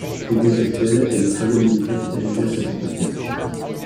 L'église actuelle est le troisième édifice érigé à cet emplacement.